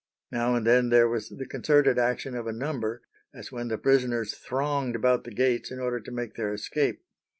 Now and then there was the concerted action of a number, as when the prisoners thronged about the gates in order to make their escape.